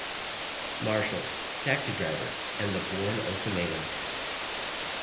Marshals", "Taxi Driver", and "The Bourne Ultimatum".